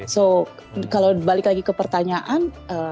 so kalau balik lagi ke pertanyaan